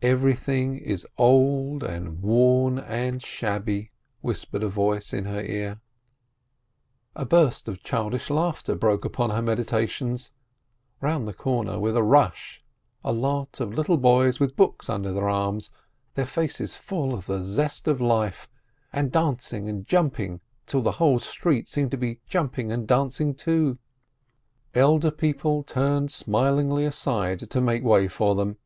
"Everything is old and worn and shabby," whispered a voice in her ear. A burst of childish laughter broke upon her medita tions. Round the corner came with a rush a lot of little 316 TASHBAK boys with books under their arms, their faces full of the zest of life, and dancing and jumping till the whole street seemed to be jumping and dancing, too. Elder people turned smilingly aside to make way for them.